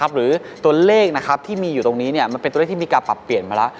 หรือตัวเลขที่มีอยู่ตรงนี้มันเป็นตัวเลขที่มีการปรับเปลี่ยนมาแล้ว